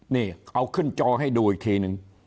นี่เอาขึ้นจอให้ดูอีกทีนึง